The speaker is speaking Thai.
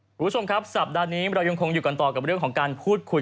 คุณผู้ชมครับสัปดาห์นี้เรายังคงอยู่กันต่อกับเรื่องของการพูดคุย